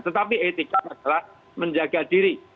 tetapi etika adalah menjaga diri